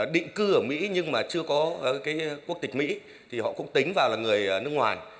định cư ở mỹ nhưng mà chưa có quốc tịch mỹ thì họ cũng tính vào là người nước ngoài